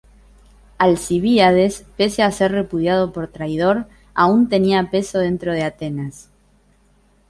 Alcibíades, pese a ser repudiado por traidor, aún tenía peso dentro de Atenas.